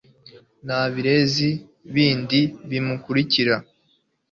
n' ibirezi bindi bimukurikira